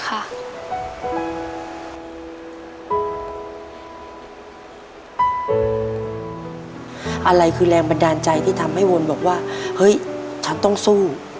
อะไรคือแรงบันดาลใจที่ทำให้วนบอกว่าเฮ้ยฉันต้องสู้